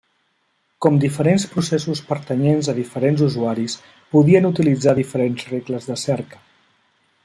Com diferents processos pertanyents a diferents usuaris, podien utilitzar diferents regles de cerca.